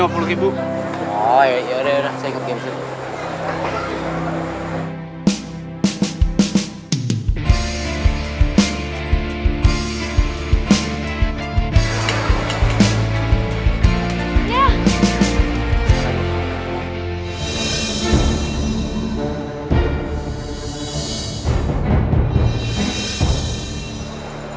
oh ya udah ya udah saya ikut game dulu